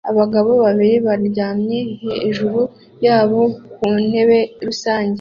Abagabo babiri baryamye hejuru yabo ku ntebe rusange